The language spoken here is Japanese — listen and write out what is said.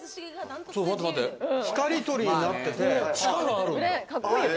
明かり取りになってて地下があるんだ。